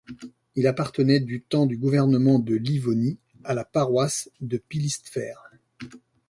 Il appartenait du temps du gouvernement de Livonie à la paroisse de Pillistfer.